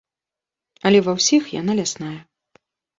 Але ва ўсіх яна лясная.